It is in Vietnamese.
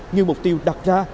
như mục tiêu đặt ra